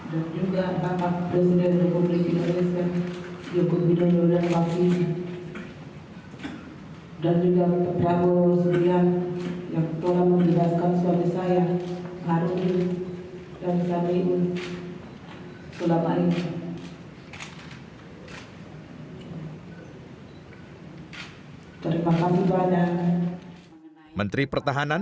menteri perintah dan pemerintah tersebut berkata